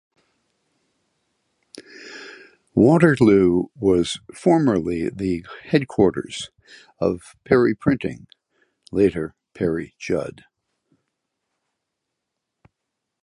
Waterloo was formerly the headquarters of Perry Printing, later Perry-Judd.